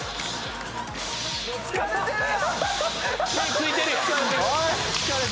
・疲れてるやん。